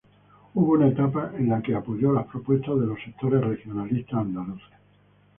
Hubo una etapa en que apoyó las propuestas de los sectores regionalistas andaluces.